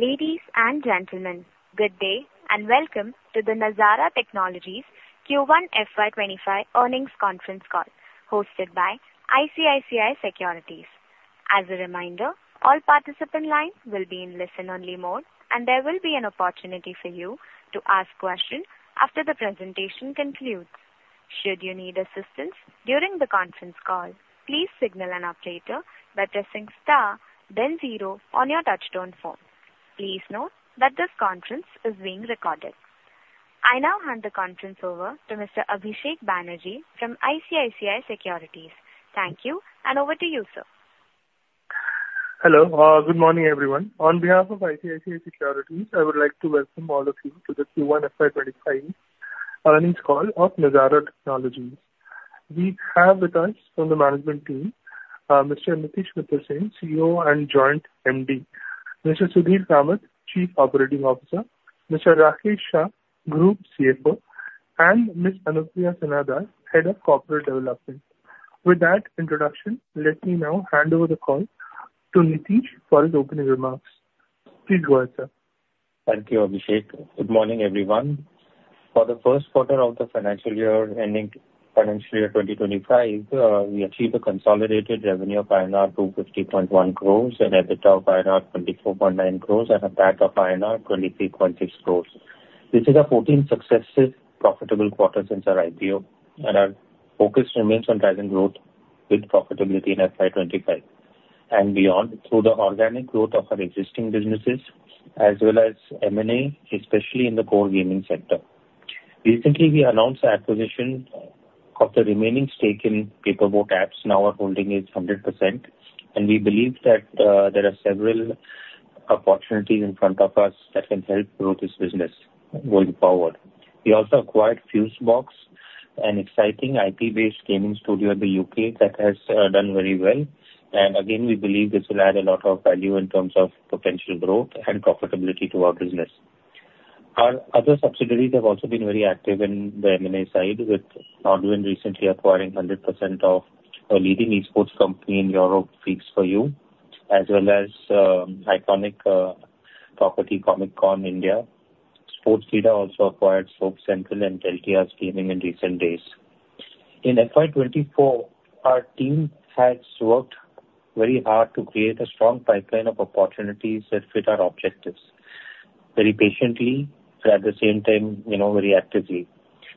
Ladies and gentlemen, good day, and welcome to the Nazara Technologies Q1 FY 2025 earnings conference call, hosted by ICICI Securities. As a reminder, all participant lines will be in listen-only mode, and there will be an opportunity for you to ask questions after the presentation concludes. Should you need assistance during the conference call, please signal an operator by pressing star then zero on your touchtone phone. Please note that this conference is being recorded. I now hand the conference over to Mr. Abhishek Banerjee from ICICI Securities. Thank you, and over to you, sir. Hello, good morning, everyone. On behalf of ICICI Securities, I would like to welcome all of you to the Q1 FY 2025 earnings call of Nazara Technologies. We have with us from the management team, Mr. Nitish Mittersain, CEO and Joint MD, Mr. Sudhir Kamath, Chief Operating Officer, Mr. Rakesh Shah, Group CFO, and Ms. Anupriya Sinha Das, Head of Corporate Development. With that introduction, let me now hand over the call to Nitish for his opening remarks. Please go ahead, sir. Thank you, Abhishek. Good morning, everyone. For the first quarter of the financial year ending financial year 2025, we achieved a consolidated revenue of INR 250.1 crores and EBITDA of INR 24.9 crores and a PAT of INR 23.6 crores. This is our fourteenth successive profitable quarter since our IPO, and our focus remains on driving growth with profitability in FY 2025 and beyond through the organic growth of our existing businesses, as well as M&A, especially in the core gaming sector. Recently, we announced the acquisition of the remaining stake in Paper Boat Apps. Now our holding is 100%, and we believe that, there are several opportunities in front of us that can help grow this business going forward. We also acquired Fusebox, an exciting IP-based gaming studio in the UK that has, done very well. And again, we believe this will add a lot of value in terms of potential growth and profitability to our business. Our other subsidiaries have also been very active in the M&A side, with NODWIN recently acquiring 100% of a leading eSports company in Europe, Freaks 4U Gaming, as well as iconic property, Comic Con India. Sportskeeda also acquired Soap Central and Deltia's Gaming in recent days. In FY 2024, our team has worked very hard to create a strong pipeline of opportunities that fit our objectives, very patiently, but at the same time, you know, very actively.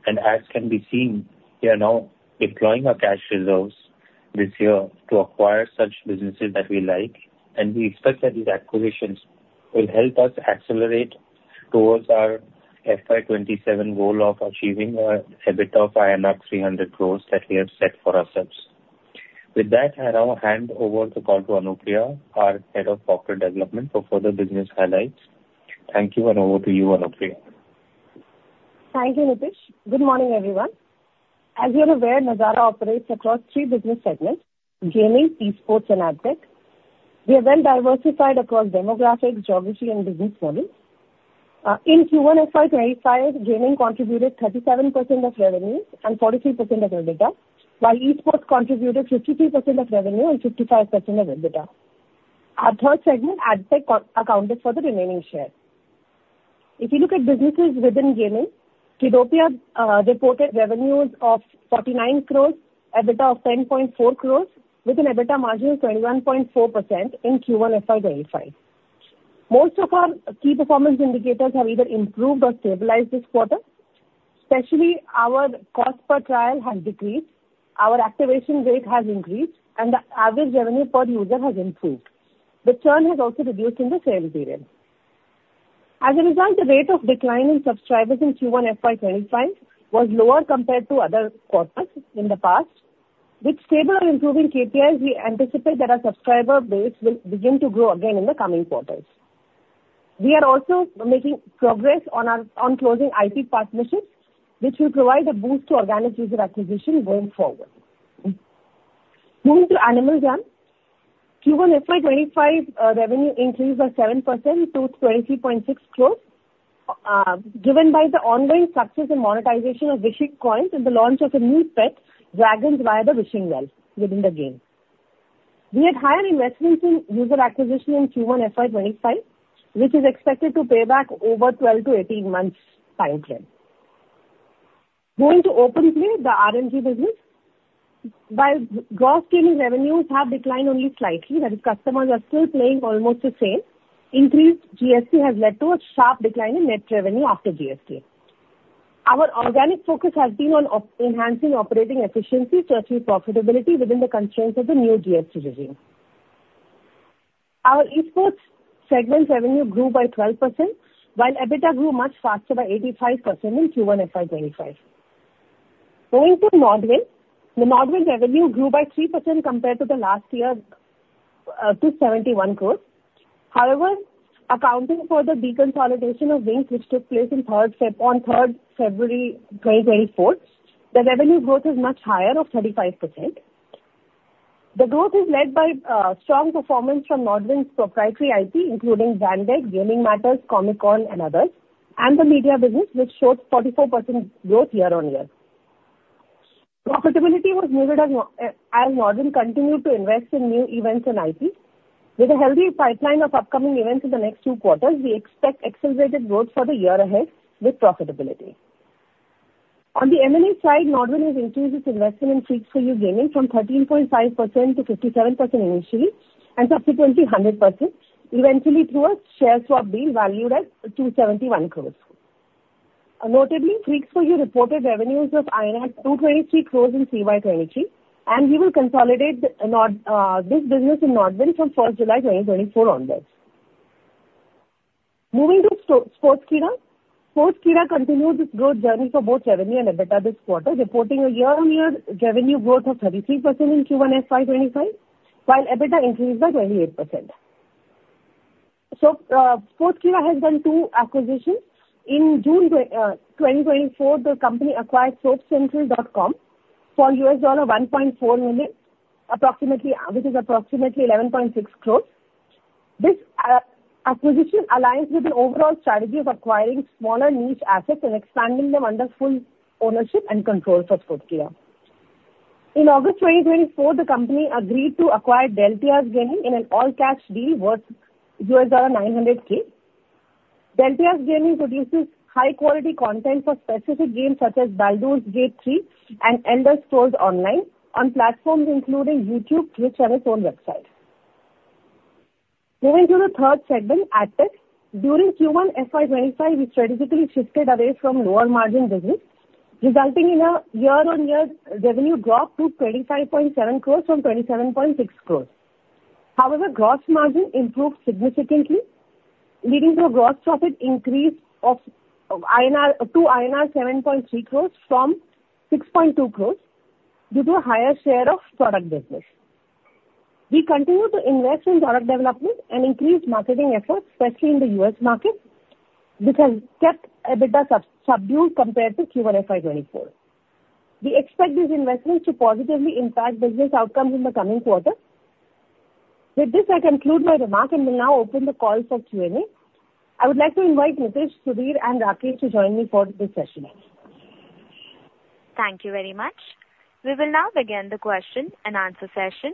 As can be seen, we are now deploying our cash reserves this year to acquire such businesses that we like, and we expect that these acquisitions will help us accelerate towards our FY 2027 goal of achieving EBITDA of 300 crores that we have set for ourselves. With that, I now hand over the call to Anupriya, our Head of Corporate Development, for further business highlights. Thank you, and over to you, Anupriya. Thank you, Nitish. Good morning, everyone. As you are aware, Nazara operates across three business segments: gaming, eSports, and AdTech. We are well diversified across demographics, geography, and business models. In Q1 FY 2025, gaming contributed 37% of revenue and 43% of EBITDA, while eSports contributed 53% of revenue and 55% of EBITDA. Our third segment, AdTech, co-accounted for the remaining share. If you look at businesses within gaming, Kiddopia reported revenues of 49 crore, EBITDA of 10.4 crore, with an EBITDA margin of 21.4% in Q1 FY 2025. Most of our key performance indicators have either improved or stabilized this quarter. Especially, our cost per trial has decreased, our activation rate has increased, and the average revenue per user has improved. The churn has also reduced in the same period. As a result, the rate of decline in subscribers in Q1 FY 2025 was lower compared to other quarters in the past. With stable or improving KPIs, we anticipate that our subscriber base will begin to grow again in the coming quarters. We are also making progress on our, on closing IP partnerships, which will provide a boost to organic user acquisition going forward. Moving to Animal Jam, Q1 FY 2025 revenue increased by 7% to 23.6 crores, driven by the ongoing success and monetization of Wishing Coins and the launch of a new pet, Dragons, via the Wishing Well within the game. We had higher investments in user acquisition in Q1 FY 2025, which is expected to pay back over 12-18 months time frame. Going to OpenPlay, the RMG business. While gross gaming revenues have declined only slightly, that is, customers are still playing almost the same, increased GST has led to a sharp decline in net revenue after GST. Our organic focus has been on enhancing operating efficiency to achieve profitability within the constraints of the new GST regime. Our eSports segment revenue grew by 12%, while EBITDA grew much faster by 85% in Q1 FY 2025. Going to NODWIN. The NODWIN revenue grew by 3% compared to the last year to 71 crore. However, accounting for the deconsolidation of Wings, which took place on third February 2024, the revenue growth is much higher, of 35%. The growth is led by strong performance from NODWIN's proprietary IP, including Vainglory, Gaming Matters, Comic Con, and others, and the media business, which showed 44% growth year-on-year. Profitability was muted as NODWIN continued to invest in new events and IP. With a healthy pipeline of upcoming events in the next two quarters, we expect accelerated growth for the year ahead with profitability. On the M&A side, NODWIN has increased its investment in Freaks 4U Gaming from 13.5% to 57% initially, and subsequently 100%, eventually through a share swap deal valued at 271 crores. Notably, Freaks 4U reported revenues of 223 crores in CY 2023, and we will consolidate this business in NODWIN from July 1, 2024 onwards. Moving to Sportskeeda. Sportskeeda continued its growth journey for both revenue and EBITDA this quarter, reporting a year-on-year revenue growth of 33% in Q1 FY 2025, while EBITDA increased by 28%. Sportskeeda has done two acquisitions. In June 2024, the company acquired SoapCentral.com for $1.4 million, approximately, which is approximately 11.6 crores. This acquisition aligns with the overall strategy of acquiring smaller niche assets and expanding them under full ownership and control for Sportskeeda. In August 2024, the company agreed to acquire Deltia's Gaming in an all-cash deal worth $900,000. Deltia's Gaming produces high-quality content for specific games, such as Baldur's Gate III and Elder Scrolls Online, on platforms including YouTube, Twitch, and its own website. Moving to the third segment, AdTech. During Q1 FY 2025, we strategically shifted away from lower margin business, resulting in a year-on-year revenue drop to 25.7 crores from 27.6 crores. However, gross margin improved significantly, leading to a gross profit increase of INR 7.3 crores from 6.2 crores, due to a higher share of product business. We continue to invest in product development and increase marketing efforts, especially in the U.S. market, which has kept EBITDA subdued compared to Q1 FY 2024. We expect these investments to positively impact business outcomes in the coming quarter. With this, I conclude my remarks and will now open the call for Q&A. I would like to invite Nitish, Sudhir, and Rakesh to join me for this session. Thank you very much. We will now begin the question and answer session.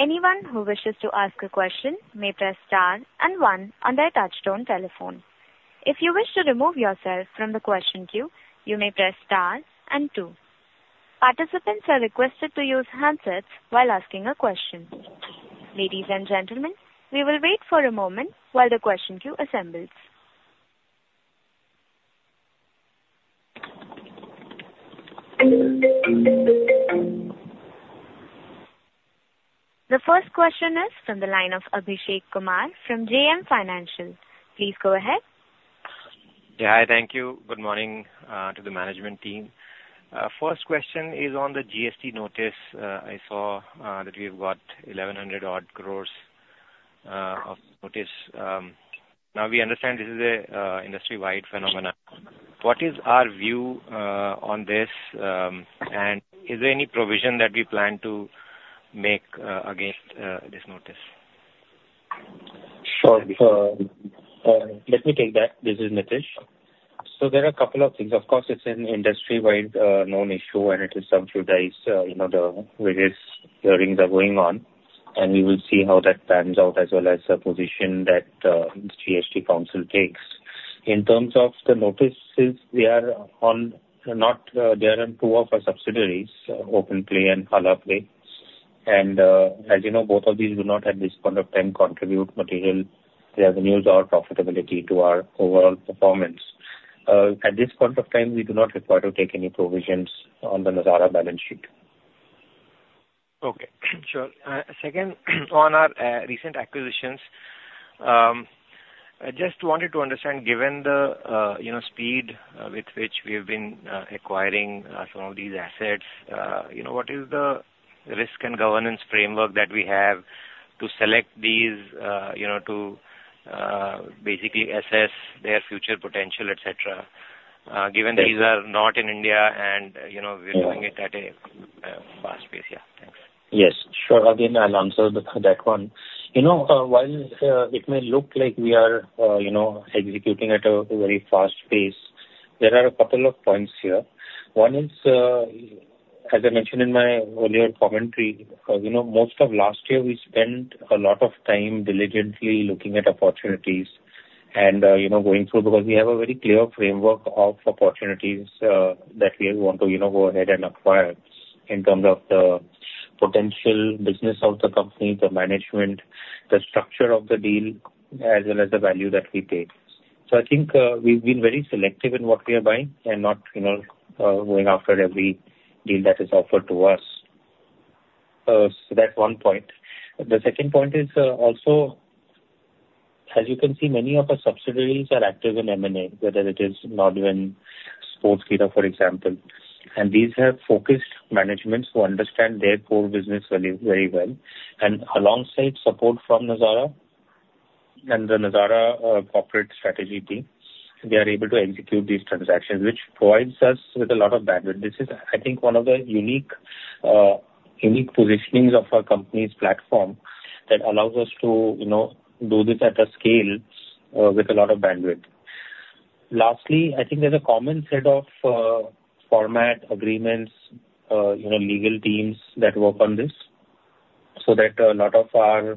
Anyone who wishes to ask a question may press star and one on their touchtone telephone. If you wish to remove yourself from the question queue, you may press star and two. Participants are requested to use handsets while asking a question. Ladies and gentlemen, we will wait for a moment while the question queue assembles. The first question is from the line of Abhishek Kumar from JM Financial. Please go ahead. Yeah, hi. Thank you. Good morning to the management team. First question is on the GST notice. I saw that we've got 1,100-odd crores of notice. Now, we understand this is a industry-wide phenomena. What is our view on this? And is there any provision that we plan to make against this notice? Sure. Let me take that. This is Nitish. So there are a couple of things. Of course, it's an industry-wide, known issue, and it is subdivided, you know, the various hearings are going on, and we will see how that pans out, as well as the position that, this GST council takes. In terms of the notices, we are not, they are in two of our subsidiaries, OpenPlay and Halaplay, and, as you know, both of these do not, at this point of time, contribute material revenues or profitability to our overall performance. At this point of time, we do not require to take any provisions on the Nazara balance sheet. Okay, sure. Second, on our recent acquisitions, I just wanted to understand, given the, you know, speed with which we've been acquiring some of these assets, you know, what is the risk and governance framework that we have to select these, you know, to basically assess their future potential, et cetera? Given these are not in India, and, you know- Yeah. We're doing it at a fast pace. Yeah, thanks. Yes, sure. Again, I'll answer the, that one. You know, while, it may look like we are, you know, executing at a, a very fast pace, there are a couple of points here. One is, as I mentioned in my earlier commentary, you know, most of last year, we spent a lot of time diligently looking at opportunities and, you know, going through, because we have a very clear framework of opportunities, that we want to, you know, go ahead and acquire in terms of the potential business of the company, the management, the structure of the deal, as well as the value that we pay. So I think, we've been very selective in what we are buying and not, you know, going after every deal that is offered to us. So that's one point. The second point is, also, as you can see, many of our subsidiaries are active in M&A, whether it is NODWIN, Sportskeeda, for example, and these have focused managements who understand their core business really very well. And alongside support from Nazara and the Nazara corporate strategy team, they are able to execute these transactions, which provides us with a lot of bandwidth. This is, I think, one of the unique unique positionings of our company's platform that allows us to, you know, do this at a scale, with a lot of bandwidth. Lastly, I think there's a common set of format agreements, you know, legal teams that work on this, so that a lot of our,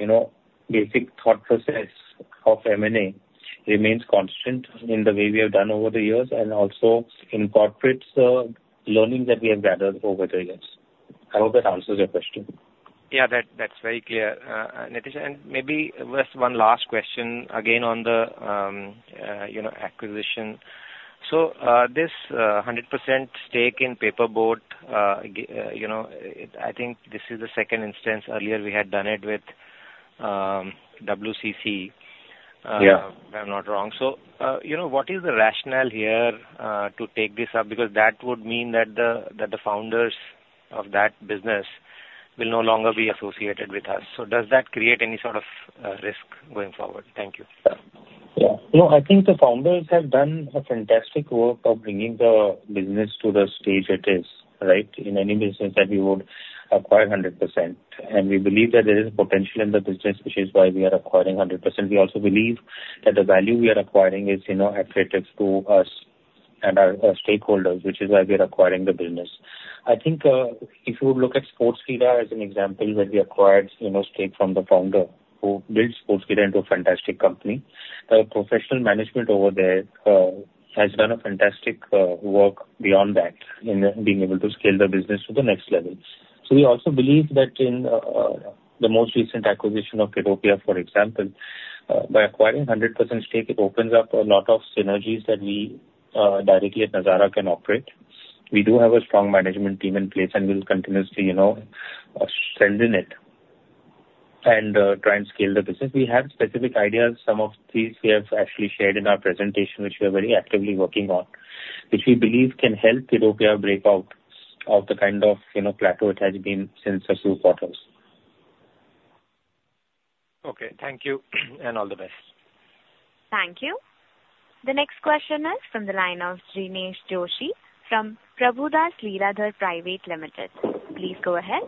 you know, basic thought process of M&A remains constant in the way we have done over the years, and also incorporates the learning that we have gathered over the years. I hope that answers your question. Yeah, that's very clear, Nitish. Maybe just one last question, again, on the, you know, acquisition. So, this 100% stake in Paper Boat Apps, you know, I think this is the second instance. Earlier, we had done it with WCC- Yeah. If I'm not wrong. So, you know, what is the rationale here, to take this up? Because that would mean that the founders of that business will no longer be associated with us. So does that create any sort of risk going forward? Thank you. Yeah. No, I think the founders have done a fantastic work of bringing the business to the stage it is, right? In any business that we would acquire 100%, and we believe that there is potential in the business, which is why we are acquiring 100%. We also believe that the value we are acquiring is, you know, accretive to us and our, our stakeholders, which is why we are acquiring the business. I think, if you look at Sportskeeda as an example, where we acquired, you know, stake from the founder, who built Sportskeeda into a fantastic company. The professional management over there has done a fantastic work beyond that, in being able to scale the business to the next level. So we also believe that in the most recent acquisition of Kiddopia, for example, by acquiring 100% stake, it opens up a lot of synergies that we directly at Nazara can operate. We do have a strong management team in place, and we'll continuously, you know, strengthen it and try and scale the business. We have specific ideas. Some of these we have actually shared in our presentation, which we are very actively working on, which we believe can help Kiddopia break out of the kind of, you know, plateau it has been since a few quarters. Okay. Thank you, and all the best. Thank you. The next question is from the line of Jinesh Joshi from Prabhudas Lilladher Private Limited. Please go ahead.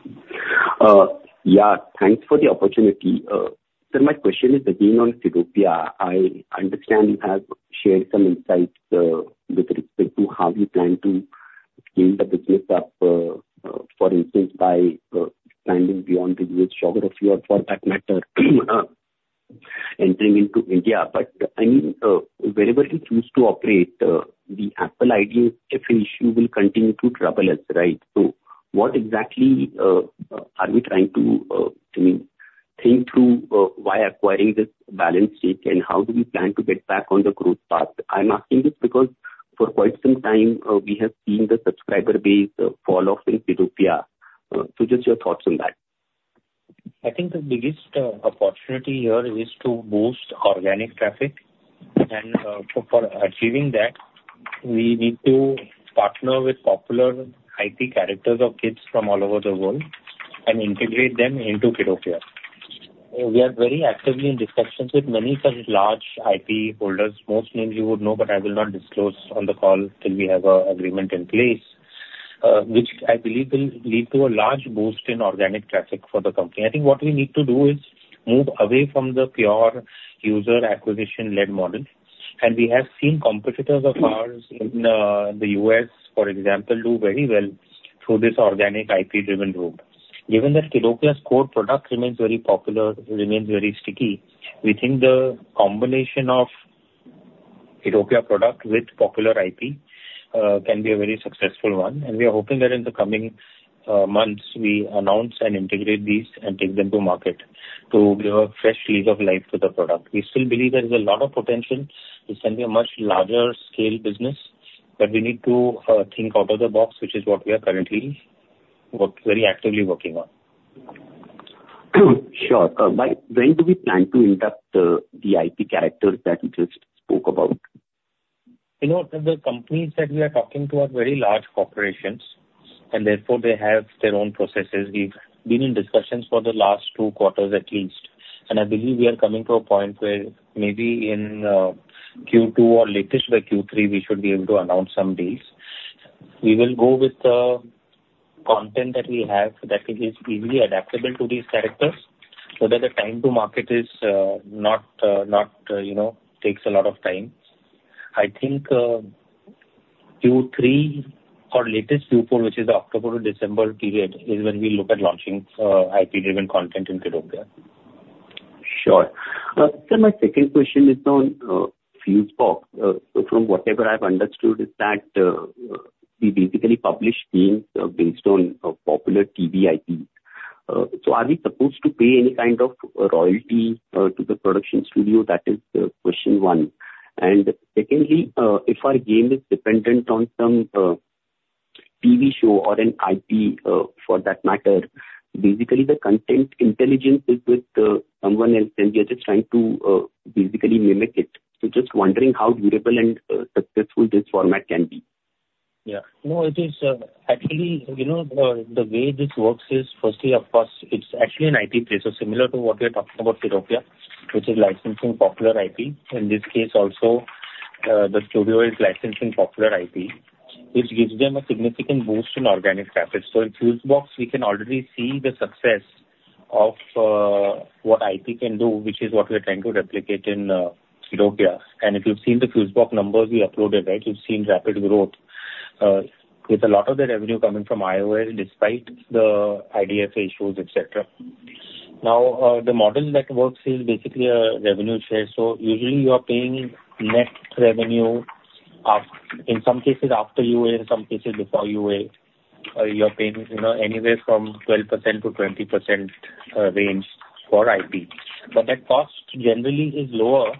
Yeah, thanks for the opportunity. So my question is again on Kiddopia. I understand you have shared some insights with respect to how you plan to scale the business up, for instance, by expanding beyond the U.S. geography or for that matter, entering into India. But, I mean, wherever you choose to operate, the Apple ID definition will continue to trouble us, right? So what exactly are we trying to, I mean, think through, why acquiring this balance sheet, and how do we plan to get back on the growth path? I'm asking this because for quite some time, we have seen the subscriber base fall off in Kiddopia. So just your thoughts on that. I think the biggest opportunity here is to boost organic traffic. And, for achieving that, we need to partner with popular IP characters of kids from all over the world and integrate them into Kiddopia. We are very actively in discussions with many such large IP holders. Most names you would know, but I will not disclose on the call till we have a agreement in place, which I believe will lead to a large boost in organic traffic for the company. I think what we need to do is move away from the pure user acquisition-led model, and we have seen competitors of ours in the U.S., for example, do very well through this organic, IP-driven route. Given that Kiddopia's core product remains very popular, remains very sticky, we think the combination of Kiddopia product with popular IP can be a very successful one. We are hoping that in the coming months, we announce and integrate these and take them to market to give a fresh lease of life to the product. We still believe there is a lot of potential. This can be a much larger scale business, but we need to think out of the box, which is what we are currently very actively working on. Sure. By when do we plan to induct the IP characters that you just spoke about? You know, the companies that we are talking to are very large corporations, and therefore they have their own processes. We've been in discussions for the last two quarters at least, and I believe we are coming to a point where maybe in Q2 or latest by Q3, we should be able to announce some deals. We will go with the content that we have that is easily adaptable to these characters, so that the time to market is not, you know, takes a lot of time. I think Q3 or latest Q4, which is October to December period, is when we look at launching IP-driven content in Kiddopia. Sure. So my second question is on Fusebox. So from whatever I've understood is that we basically publish games based on popular TV IP. So are we supposed to pay any kind of royalty to the production studio? That is question one. And secondly, if our game is dependent on some TV show or an IP for that matter, basically the content intelligence is with someone else, and we are just trying to basically mimic it. So just wondering how durable and successful this format can be? Yeah. No, it is. Actually, you know, the way this works is, firstly, of course, it's actually an IP play, so similar to what we're talking about Kiddopia, which is licensing popular IP. In this case also, the studio is licensing popular IP, which gives them a significant boost in organic traffic. So in Fusebox, we can already see the success of what IP can do, which is what we are trying to replicate in Kiddopia. And if you've seen the Fusebox numbers we uploaded, right? You've seen rapid growth, with a lot of the revenue coming from iOS, despite the IDFA issues, et cetera. Now, the model that works is basically a revenue share. So usually you are paying net revenue after, in some cases after UA, in some cases before UA. You're paying, you know, anywhere from 12%-20% range for IP. But that cost generally is lower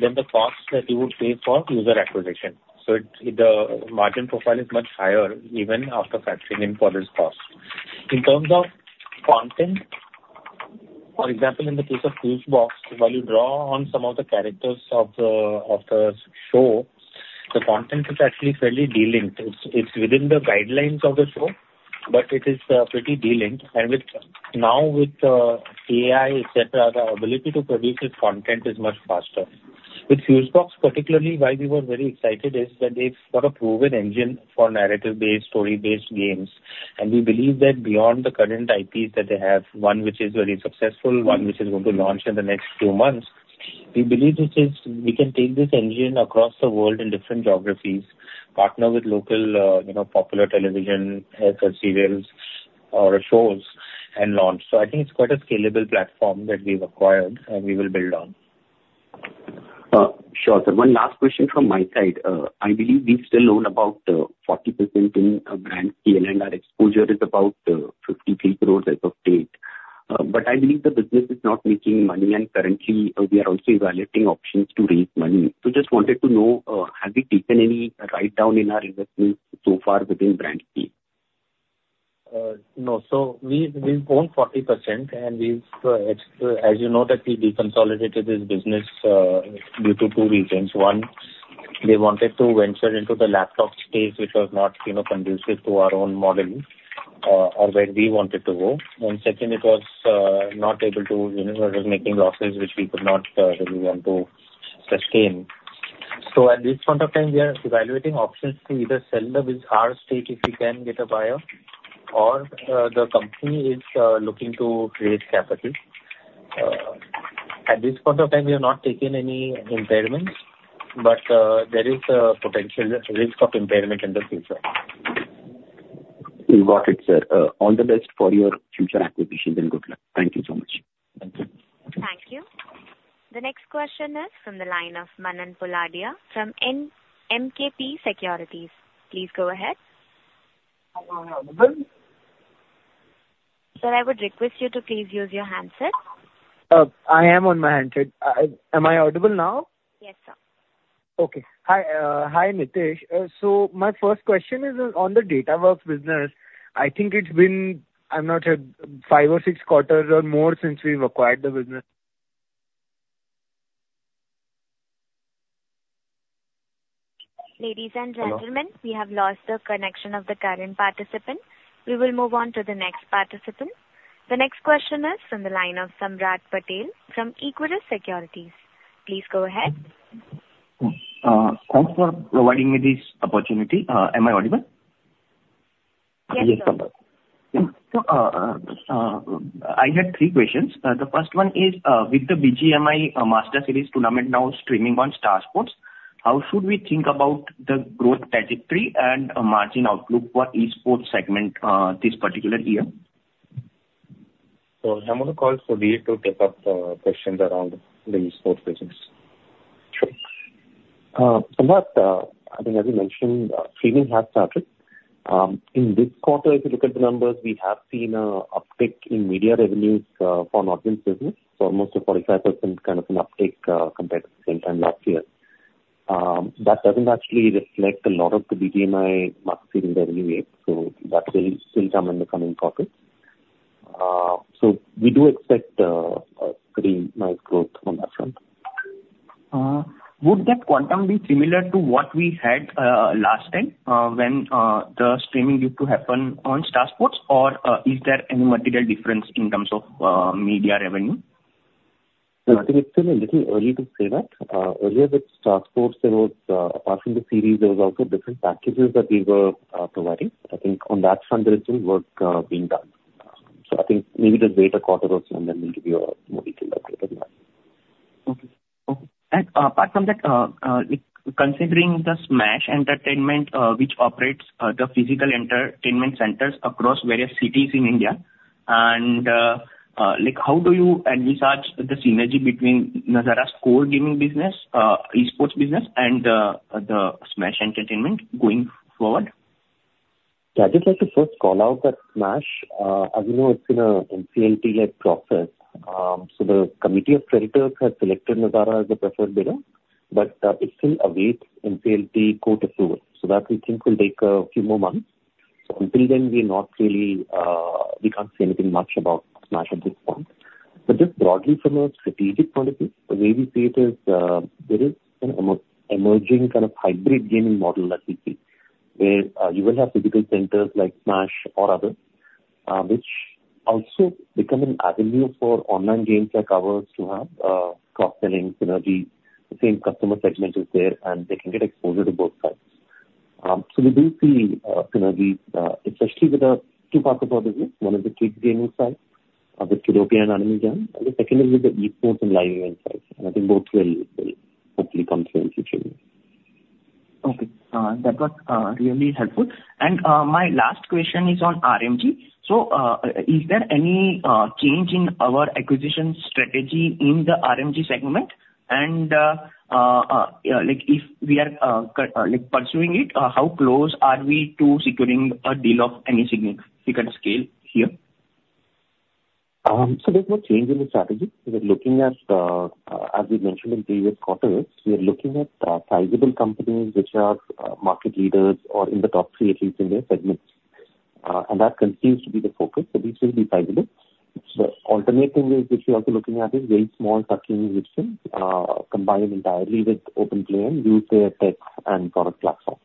than the cost that you would pay for user acquisition. So it, the margin profile is much higher, even after factoring in for this cost. In terms of content, for example, in the case of Fusebox, while you draw on some of the characters of the show, the content is actually fairly delinked. It's within the guidelines of the show, but it is pretty delinked. Now, with AI, et cetera, the ability to produce this content is much faster. With Fusebox, particularly why we were very excited is that they've got a proven engine for narrative-based, story-based games. We believe that beyond the current IPs that they have, one which is very successful, one which is going to launch in the next two months, we believe this is, we can take this engine across the world in different geographies, partner with local, you know, popular television, serials or shows and launch. So I think it's quite a scalable platform that we've acquired, and we will build on. Sure, sir. One last question from my side. I believe we still own about 40% in Brandscale, and our exposure is about 53 crore as of date. But I believe the business is not making money, and currently we are also evaluating options to raise money. So just wanted to know, have we taken any write-down in our investment so far within Brandscale? No. So we own 40%, and we've, as you know, that we deconsolidated this business, due to two reasons. One, they wanted to venture into the laptop space, which was not, you know, conducive to our own model, or where we wanted to go. And second, it was not able to, you know, it was making losses, which we could not really want to sustain. So at this point of time, we are evaluating options to either sell our stake, if we can get a buyer, or the company is looking to raise capital. At this point of time, we have not taken any impairments, but there is a potential risk of impairment in the future. We got it, sir. All the best for your future acquisitions, and good luck. Thank you so much. Thank you. Thank you. The next question is from the line of Manan Poladia from MKP Securities. Please go ahead. Am I audible? Sir, I would request you to please use your handset. I am on my handset. Am I audible now? Yes, sir. Okay. Hi, hi, Nitish. So my first question is, on the Datawrkz business. I think it's been, I'm not sure, five or six quarters or more since we've acquired the business. Ladies and gentlemen Hello. We have lost the connection of the current participant. We will move on to the next participant. The next question is from the line of Samarth Patel from Equirus Securities. Please go ahead. Thanks for providing me this opportunity. Am I audible? Yes, you are. I had three questions. The first one is, with the BGMI Master Series tournament now streaming on Star Sports, how should we think about the growth trajectory and margin outlook for esports segment this particular year? I'm going to call for Sudhir to take up the questions around the esports business. Samarth, I think as you mentioned, streaming has started. In this quarter, if you look at the numbers, we have seen an uptick in media revenues from audience business, so almost a 45% kind of an uptick compared to the same time last year. That doesn't actually reflect a lot of the BGMI Master in the revenue yet, so that will still come in the coming quarters. So we do expect a pretty nice growth on that front. Would that quantum be similar to what we had last time when the streaming used to happen on Star Sports? Or is there any material difference in terms of media revenue? I think it's still a little early to say that. Earlier with Star Sports, there was, apart from the series, there was also different packages that we were providing. I think on that front, there is still work being done. So I think maybe just wait a quarter or two, and then we'll give you a more detailed update on that. Okay. And apart from that, with considering the SMAAASH Entertainment, which operates the physical entertainment centers across various cities in India, and, like, how do you envisage the synergy between Nazara's core gaming business, esports business, and the SMAAASH Entertainment going forward? Yeah, I'd just like to first call out that SMAAASH, as you know, it's in a NCLT led process. So the committee of creditors has selected Nazara as the preferred bidder, but, it's still awaits NCLT court approval. So that, we think, will take a few more months. So until then, we're not really, we can't say anything much about SMAAASH at this point. But just broadly from a strategic point of view, the way we see it is, there is an emerging kind of hybrid gaming model that we see, where, you will have physical centers like SMAAASH or others, which also become an avenue for online games like ours to have, cross-selling synergy. The same customer segment is there, and they can get exposure to both sides. So we do see, you know, the especially with the two parts of the business, one is the kids gaming side of the Kiddopia and Animal Jam, and the second is with the esports and live event side. And I think both will, will hopefully come through in future. Okay. That was really helpful. And my last question is on RMG. So, is there any change in our acquisition strategy in the RMG segment? And, like if we are, like pursuing it, how close are we to securing a deal of any significance we can scale here? So there's no change in the strategy. We're looking at, as we mentioned in previous quarters, we are looking at sizable companies which are market leaders or in the top three, at least in their segments. And that continues to be the focus, so this will be sizable. The alternative is, which we're also looking at, is very small targeting, which can combine entirely with OpenPlay and use their tech and product platform,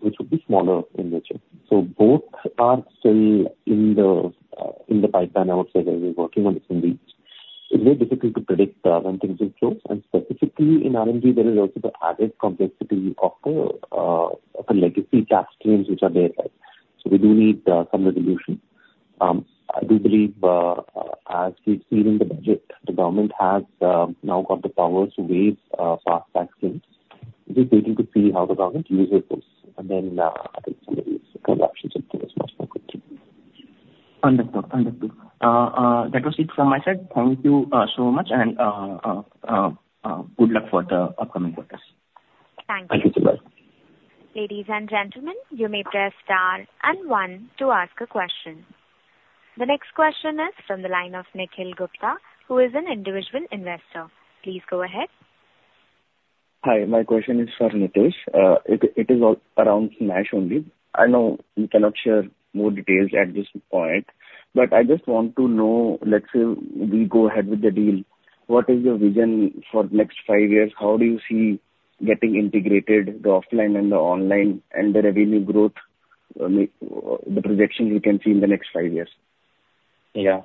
which would be smaller in nature. So both are still in the pipeline. I would say that we're working on this indeed. It's very difficult to predict when things will close, and specifically in RMG, there is also the added complexity of the legacy tax streams which are there. So we do need some resolution. I do believe, as we've seen in the budget, the government has now got the power to waive past tax streams. We're waiting to see how the government uses this, and then I think the options are much more quickly. Understood. Understood. That was it from my side. Thank you so much, and good luck for the upcoming quarters. Thank you so much. Ladies and gentlemen, you may press Star and One to ask a question. The next question is from the line of Nikhil Gupta, who is an individual investor. Please go ahead. Hi, my question is for Nitish. It is all around SMAAASH only. I know you cannot share more details at this point, but I just want to know, let's say we go ahead with the deal, what is your vision for the next five years? How do you see getting integrated, the offline and the online, and the revenue growth, the projection we can see in the next five years? Yeah.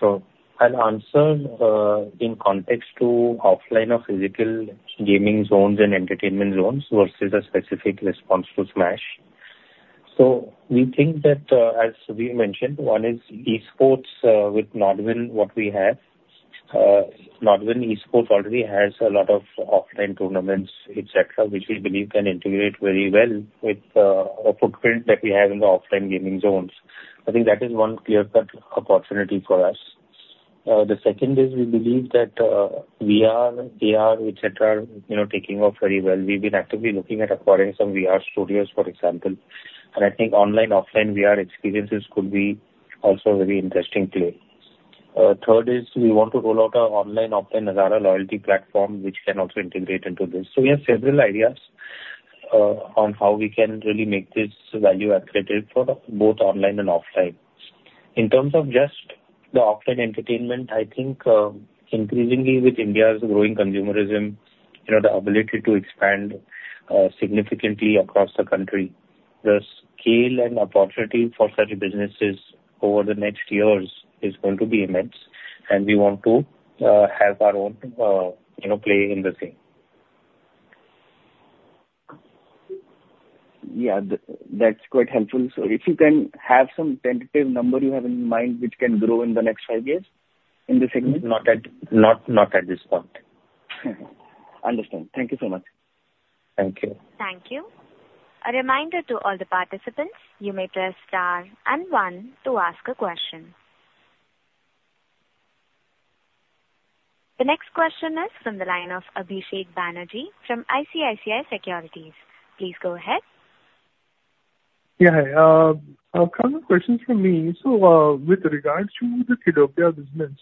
So I'll answer in context to offline or physical gaming zones and entertainment zones versus a specific response to SMAAASH. So we think that, as we mentioned, one is esports with NODWIN, what we have. NODWIN esports already has a lot of offline tournaments, et cetera, which we believe can integrate very well with a footprint that we have in the offline gaming zones. I think that is one clear-cut opportunity for us. The second is we believe that VR, AR, et cetera, are, you know, taking off very well. We've been actively looking at acquiring some VR studios, for example, and I think online/offline VR experiences could be also a very interesting play. Third is we want to roll out our online/offline Nazara loyalty platform, which can also integrate into this. So we have several ideas, on how we can really make this value accretive for both online and offline. In terms of just the offline entertainment, I think, increasingly with India's growing consumerism, you know, the ability to expand, significantly across the country. The scale and opportunity for such businesses over the next years is going to be immense, and we want to, have our own, you know, play in the game. Yeah, that's quite helpful. So if you can have some tentative number you have in mind, which can grow in the next five years in this segment? Not at this point. Understand. Thank you so much. Thank you. Thank you. A reminder to all the participants, you may press Star and One to ask a question. The next question is from the line of Abhishek Banerjee from ICICI Securities. Please go ahead. Yeah, hi. A couple of questions from me. So, with regards to the Kiddopia business,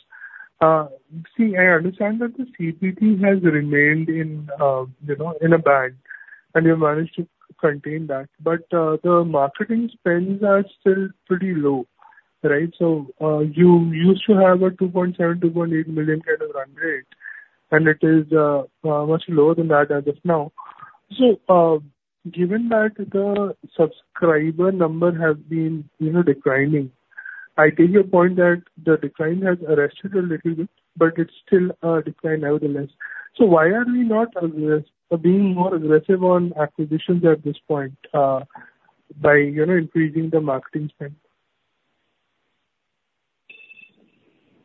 see, I understand that the CPT has remained in a band, you know, and you managed to contain that, but the marketing spends are still pretty low, right? So, you used to have a $2.7 million-$2.8 million kind of run rate, and it is much lower than that as of now. So, given that the subscriber number has been, you know, declining, I take your point that the decline has arrested a little bit, but it's still a decline nevertheless. So why are we not being more aggressive on acquisitions at this point, by, you know, increasing the marketing spend?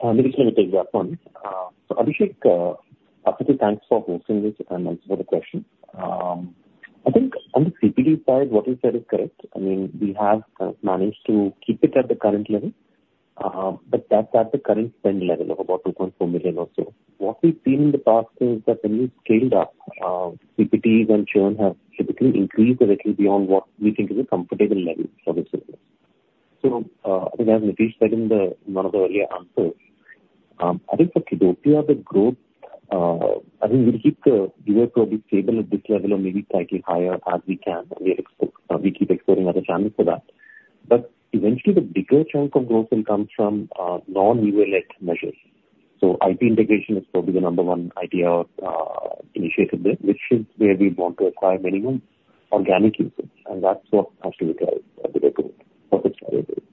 Let me take that one. So Abhishek, Abhishek, thanks for hosting this, and thanks for the question. I think on the CPT side, what you said is correct. I mean, we have managed to keep it at the current level, but that's at the current spend level of about 2.4 million or so. What we've seen in the past is that when we've scaled up, CPTs and churn have typically increased a little beyond what we think is a comfortable level for the business. So, I think as Nitish said in one of the earlier answers, I think for Kiddopia, the growth, I think we'll keep the UA profile stable at this level or maybe slightly higher as we can, and we keep exploring other channels for that. But eventually, the bigger chunk of growth will come from non-UA-led measures. So IP integration is probably the number one idea, initiative there, which is where we want to acquire minimum organic users, and that's what actually drives the growth for this category.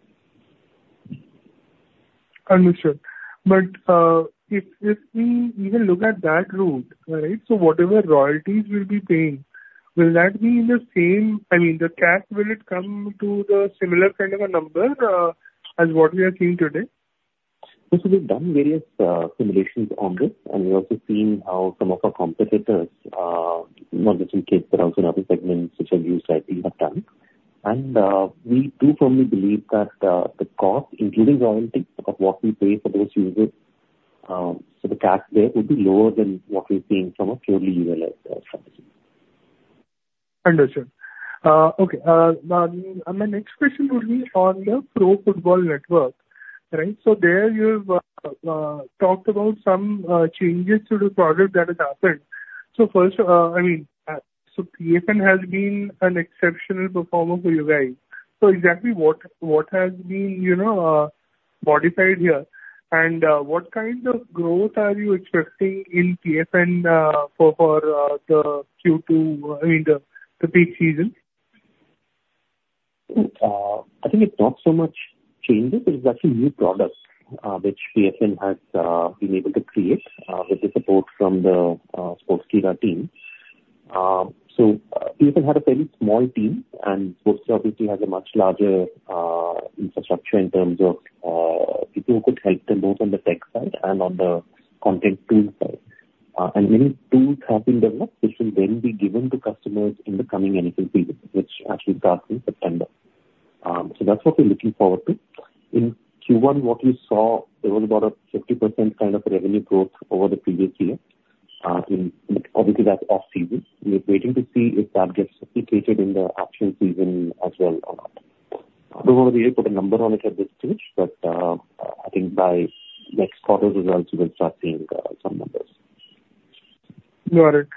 Understood. But, if we even look at that route, right? So whatever royalties we'll be paying, will that be in the same—I mean, the cash, will it come to the similar kind of a number, as what we are seeing today? Yes, we've done various simulations on this, and we've also seen how some of our competitors, not just in kids, but also in other segments which are used, I think, have done. We do firmly believe that the cost, including royalty, of what we pay for those users, so the cash there will be lower than what we've seen from a purely utilized strategy. Understood. Okay. And my next question would be on the Pro Football Network, right? So there you've talked about some changes to the product that has happened. So first, I mean, so PFN has been an exceptional performer for you guys. So exactly what, what has been, you know, modified here? And, what kind of growth are you expecting in PFN, for the Q2, I mean, the peak season? I think it's not so much changes. It's actually new products, which PFN has been able to create, with the support from the, Sportskeeda team. So PFN had a very small team, and Sportskeeda obviously has a much larger, infrastructure in terms of, people who could help them both on the tech side and on the content tool side. And many tools have been developed, which will then be given to customers in the coming NFL season, which actually starts in September. So that's what we're looking forward to. In Q1, what we saw, there was about a 50% kind of revenue growth over the previous year. I mean, obviously, that's off-season. We're waiting to see if that gets replicated in the actual season as well or not. I don't want to really put a number on it at this stage, but I think by next quarter's results, you will start seeing some numbers. Got it.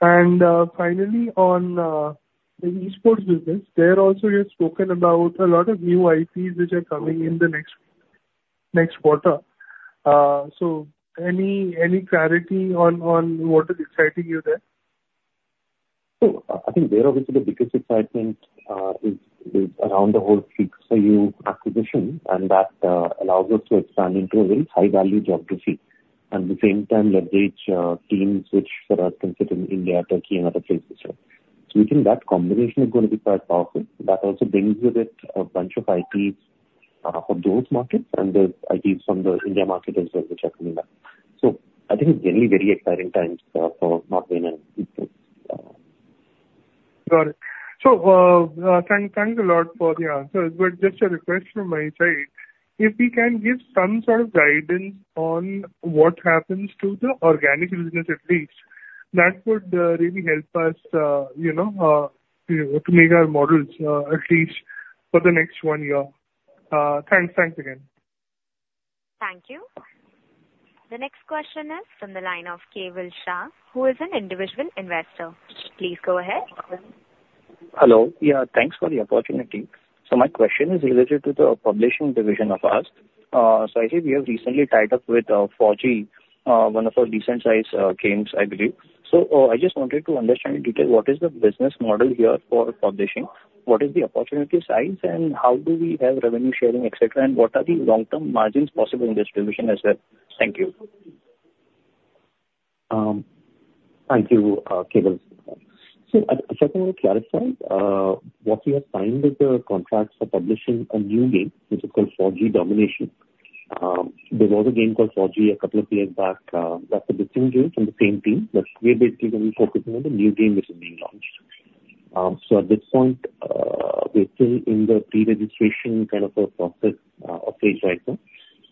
And finally, on the esports business, there also you've spoken about a lot of new IPs which are coming in the next quarter. So any clarity on what is exciting you there? So, I think, obviously, the biggest excitement is around the whole Fusebox acquisition, and that allows us to expand into a very high-value geography. And at the same time, leverage teams which are in India, Turkey and other places. So we think that combination is going to be quite powerful. That also brings with it a bunch of IPs for those markets and the IPs from the Indian market as well, which are coming up. So I think it's very, very exciting times for gaming and esports. Got it. So, thanks a lot for the answers. But just a request from my side, if you can give some sort of guidance on what happens to the organic business at least, that would really help us, you know, to make our models, at least for the next one year. Thanks. Thanks again. Thank you. The next question is from the line of Kewal Shah, who is an individual investor. Please go ahead. Hello. Yeah, thanks for the opportunity. So my question is related to the publishing division of Nazara. So I think we have recently tied up with FAU-G, one of our decent-sized games, I believe. So I just wanted to understand in detail, what is the business model here for publishing? What is the opportunity size, and how do we have revenue sharing, et cetera, and what are the long-term margins possible in this division as well? Thank you. Thank you, Kewal. So, first I want to clarify what we have signed is the contracts for publishing a new game, which is called FAU-G: Domination. There was a game called FAU-G a couple of years back, that's a different game from the same team, but we are basically going to be focusing on the new game which is being launched. So at this point, we're still in the pre-registration kind of a process of this item.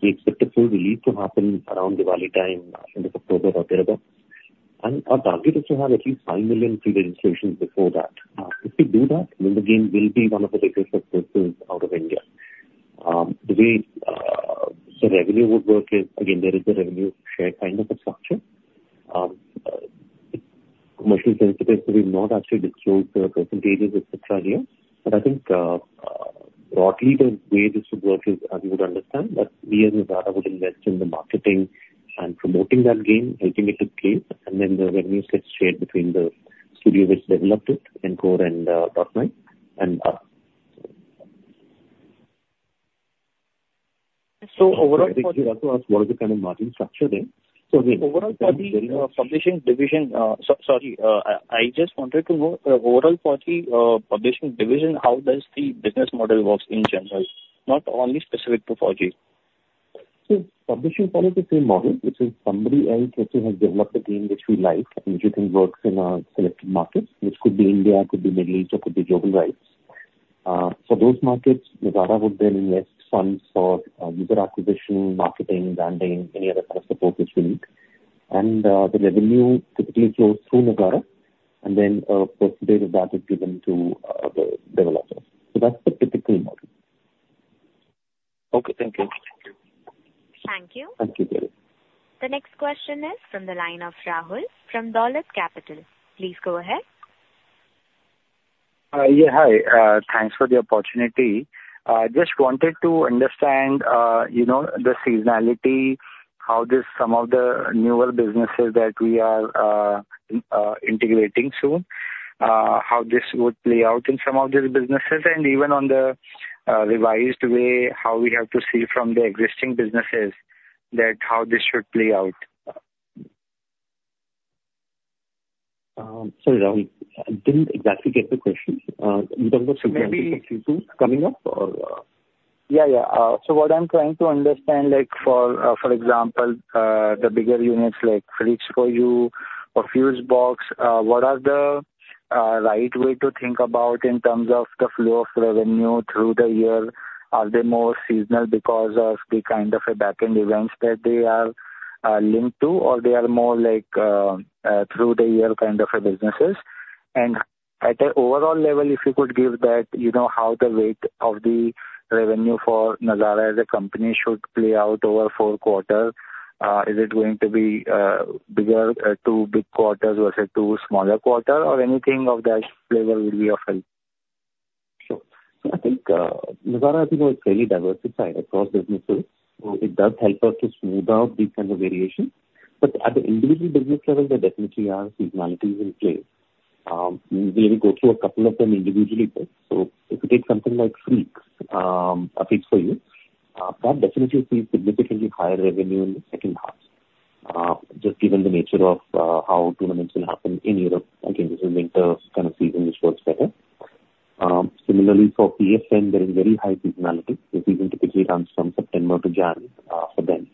We expect the full release to happen around Diwali time, end of October or thereabout, and our target is to have at least five million pre-registrations before that. If we do that, then the game will be one of the biggest successes out of India. The way, the revenue would work is, again, there is a revenue share kind of a structure. Commercially sensitive, so we've not actually disclosed the percentages, et cetera, here. But I think, broadly, the way this would work is, as you would understand, that we as Nazara would invest in the marketing and promoting that game, making it a case, and then the revenues get shared between the studio which developed it, nCore and, Dot9, and us. So overall- I think you also asked what is the kind of margin structure there? Overall for the publishing division... So sorry, I just wanted to know, overall for the publishing division, how does the business model works in general, not only specific to FAU-G? So publishing follows the same model, which is somebody else actually has developed a game which we like and which we think works in our selected markets, which could be India, could be Middle East, or could be global rights. For those markets, Nazara would then invest funds for user acquisition, marketing, branding, any other kind of support which we need. And the revenue typically flows through Nazara, and then a percentage of that is given to the developers. So that's the typical model. Okay, thank you. Thank you. Thank you, Kewal. The next question is from the line of Rahul from Dolat Capital. Please go ahead. Yeah, hi. Thanks for the opportunity. Just wanted to understand, you know, the seasonality, how this some of the newer businesses that we are integrating soon. How this would play out in some of these businesses, and even on the, revised way, how we have to see from the existing businesses that how this should play out? Sorry, Rahul, I didn't exactly get the question. In terms of- Maybe- Coming up, or? Yeah, yeah. So what I'm trying to understand, like, for example, the bigger units like Freaks 4U or Fusebox, what are the right way to think about in terms of the flow of revenue through the year? Are they more seasonal because of the kind of a backend events that they are linked to, or they are more like through the year kind of a businesses? And at a overall level, if you could give that, you know, how the weight of the revenue for Nazara as a company should play out over four quarters. Is it going to be bigger, two big quarters versus two smaller quarters, or anything of that flavor will be of help. Sure. I think, Nazara, you know, is very diversified across businesses, so it does help us to smooth out these kind of variations. But at the individual business level, there definitely are seasonalities in play. We will go through a couple of them individually. So if you take something like Freaks 4U, or Freaks 4U, that definitely sees significantly higher revenue in the second half, just given the nature of, how tournaments will happen in Europe, again, this is winter kind of season, which works better. Similarly for PFN, there is very high seasonality. The season typically runs from September to January, for them.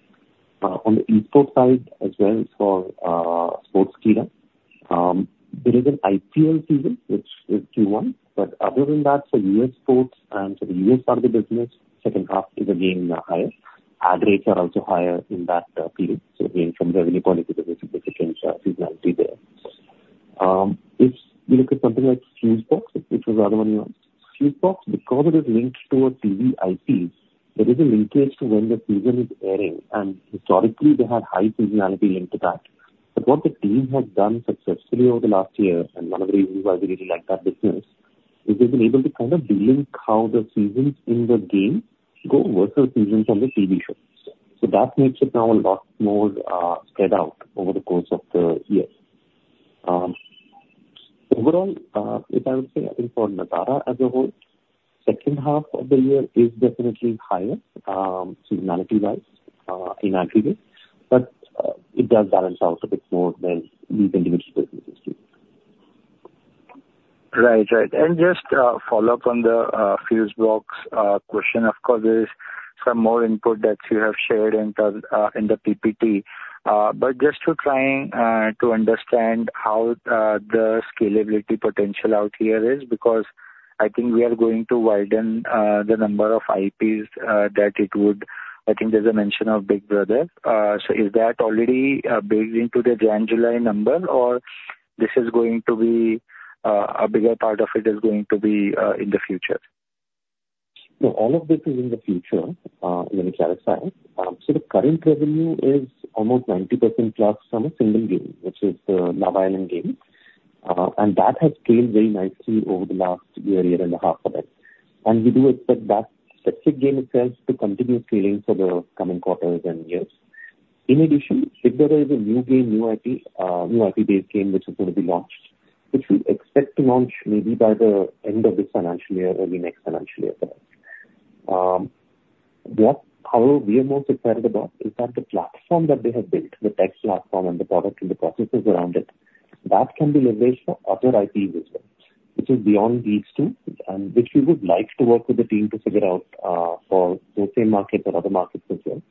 On the eSports side, as well as for, sports gaming, there is an IPL season, which is Q1. But other than that, for U.S. sports and for the U.S. part of the business, second half is again higher. Ad rates are also higher in that period, so again, from revenue quality, there's a significant seasonality there. If you look at something like Fusebox, which was in one years. Fusebox, because it is linked to a TV IP, there is a linkage to when the season is airing, and historically, they had high seasonality linked to that. But what the team has done successfully over the last year, and one of the reasons why we really like that business, is they've been able to kind of delink how the seasons in the game go versus seasons on the TV shows. So that makes it now a lot more spread out over the course of the year. Overall, if I would say, I think for Nazara as a whole, second half of the year is definitely higher, seasonality wise, in our business, but it does balance out a bit more when these individual businesses. Right. Right. And just, follow up on the, Fusebox, question. Of course, there's some more input that you have shared in terms, in the PPT. But just to trying, to understand how, the scalability potential out here is, because I think we are going to widen, the number of IPs, that it would... I think there's a mention of Big Brother. So is that already, baked into the Jan-July number, or this is going to be, a bigger part of it is going to be, in the future? No, all of this is in the future, let me clarify. So the current revenue is almost 90% plus from a single game, which is the Love Island game. And that has scaled very nicely over the last year, year and a half for us. And we do expect that specific game itself to continue scaling for the coming quarters and years. In addition, if there is a new game, new IP, new IP-based game which is going to be launched, which we expect to launch maybe by the end of this financial year or the next financial year. However, we are most excited about is that the platform that they have built, the tech platform and the product and the processes around it, that can be leveraged for other IPs as well, which is beyond these two, and which we would like to work with the team to figure out, for those same markets and other markets as well.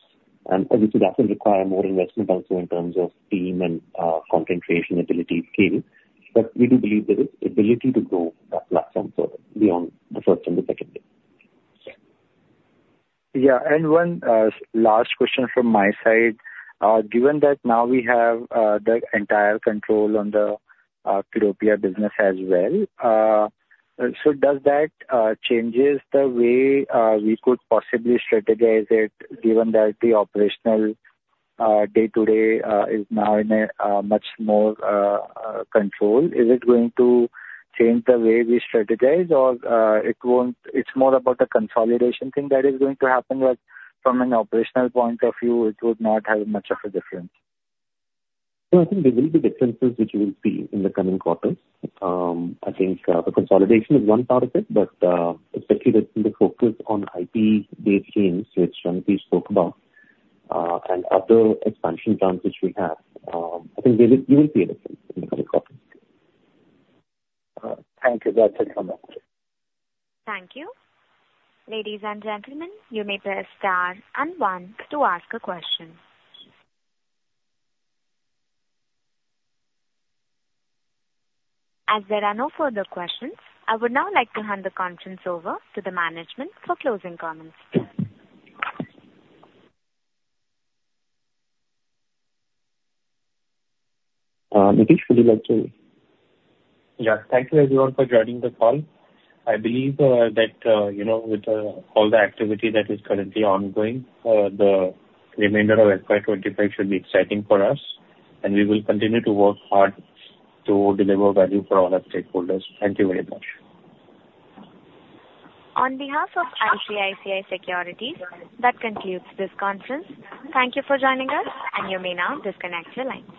Obviously, that will require more investment also in terms of team and, content creation ability scaling, but we do believe there is ability to grow that platform for beyond the first and the second game. Yeah. One last question from my side. Given that now we have the entire control on the Kiddopia business as well, so does that changes the way we could possibly strategize it, given that the operational day-to-day is now in a much more control? Is it going to change the way we strategize, or it won't, it's more about the consolidation thing that is going to happen, but from an operational point of view, it would not have much of a difference? No, I think there will be differences which you will see in the coming quarters. I think the consolidation is one part of it, but especially the focus on IP-based games, which Anupriya spoke about, and other expansion plans which we have. I think you will see a difference in the next quarter. Thank you. That's it from my side. Thank you. Ladies and gentlemen, you may press star and one to ask a question. As there are no further questions, I would now like to hand the conference over to the management for closing comments. Nitish, would you like to? Yeah. Thank you everyone for joining the call. I believe that you know, with all the activity that is currently ongoing, the remainder of FY 2025 should be exciting for us, and we will continue to work hard to deliver value for all our stakeholders. Thank you very much. On behalf of ICICI Securities, that concludes this conference. Thank you for joining us, and you may now disconnect your line.